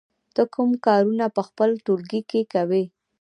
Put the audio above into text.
ته کوم کارونه په خپل ټولګي کې کوې؟